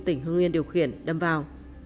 tỉnh hương yên điều khiển đâm vào